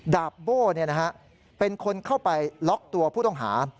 ดาบโบ้เป็นคนเข้าไปล็อกตัวผู้ต้องหา